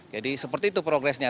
jadi seperti itu progresnya